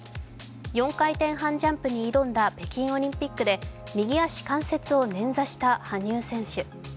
４回転半ジャンプに挑んだ北京オリンピックで右足関節を捻挫した羽生選手。